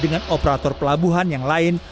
dengan operator pelabuhan yang lain